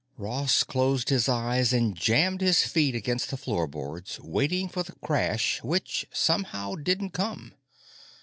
Ross closed his eyes and jammed his feet against the floorboards waiting for the crash which, somehow, didn't come.